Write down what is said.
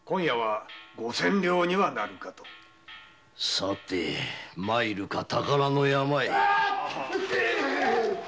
さて参るか宝の山へ。